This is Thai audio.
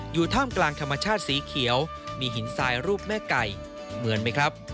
ท่ามกลางธรรมชาติสีเขียวมีหินทรายรูปแม่ไก่เหมือนไหมครับ